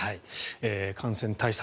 感染対策